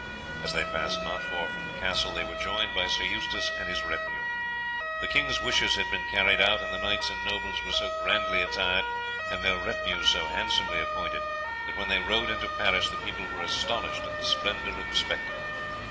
As they passed not far from the castle they were joined by Sir Eustace and his retinue. The king's wishes had been carried out, and the knights and nobles were so grandly attired and their retinues so handsomely appointed that when they rode into Paris the people were astonished at the splendour of the spectacle.